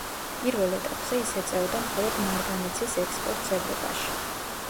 პირველ ეტაპზე ის ეწეოდა მხოლოდ მარგანეცის ექსპორტს ევროპაში.